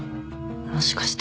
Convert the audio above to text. もしかして